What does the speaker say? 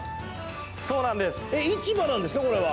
そうなんです。